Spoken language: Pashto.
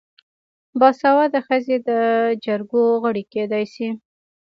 باسواده ښځې د جرګو غړې کیدی شي.